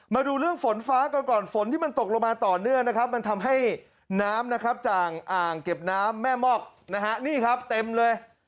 มาดูเรื่องฝนฟ้ากันก่อนฝนที่มันตกลงมาต่อเนื่องนะครับมันทำให้น้ำนะครับจากอ่างเก็บน้ำแม่มอกนะฮะนี่ครับเต็มเลย